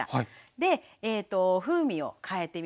で風味を変えてみました。